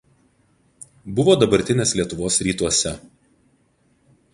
Buvo dabartinės Lietuvos rytuose.